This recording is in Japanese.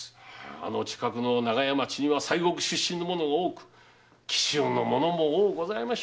あの近くの長屋町には西国出身の者も多く紀州の者も多ございましょう。